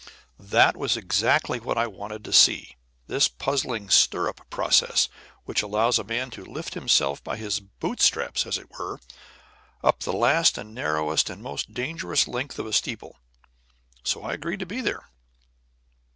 That was exactly what I did want to see, this puzzling stirrup process which allows a man to lift himself by his boot straps, as it were, up the last and narrowest and most dangerous length of a steeple; so I agreed to be there.